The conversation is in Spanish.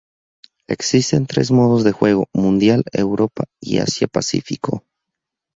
Existen tres modos de juego: Mundial, Europa y Asia-Pacífico.